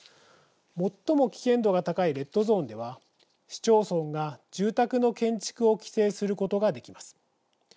最も危険度が高いレッドゾーンでは市町村が、住宅の建築を規制することができます。